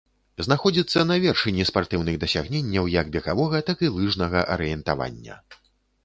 Знаходзіцца на вершыні спартыўных дасягненняў як бегавога, так і лыжнага арыентавання.